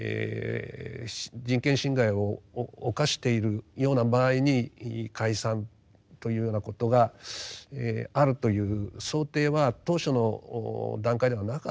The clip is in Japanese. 人権侵害を犯しているような場合に解散というようなことがあるという想定は当初の段階ではなかっただろうと思いますね。